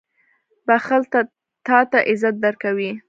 • بښل تا ته عزت درکوي.